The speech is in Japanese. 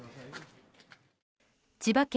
千葉県